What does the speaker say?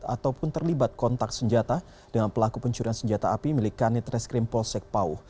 ataupun terlibat kontak senjata dengan pelaku pencurian senjata api milik kanit reskrim polsek pauh